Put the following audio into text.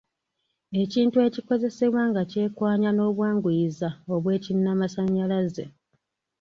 Ekintu ekikozesebwa nga kyekwanya n’obwanguyiza obw’ekinnamasannyalaze.